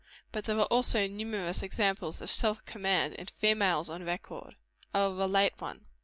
But there are also numerous. examples of self command in females on record. I will relate one.